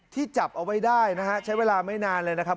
จับเอาไว้ได้นะฮะใช้เวลาไม่นานเลยนะครับ